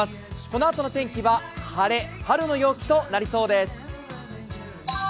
このあとの天気は晴れ、春の陽気となりそうです。